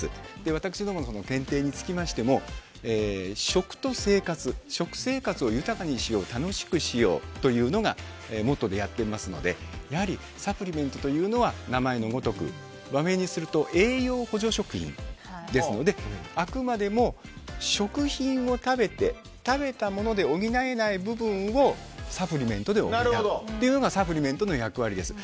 私どもの点ていにつきましても食と生活、食生活を豊かにしよう楽しくしようというもとでやっていますのでサプリメントというのは名前のごとく和名にすると栄養補助食品ですのであくまでも食品を食べて食べたもので補えない部分をサプリメントで補うというのがサプリメントの役割です。